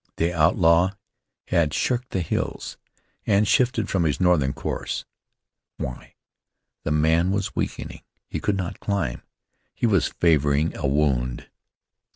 The outlaw had shirked the hills, and shifted from his northern course. Why? The man was weakening; he could not climb; he was favoring a wound.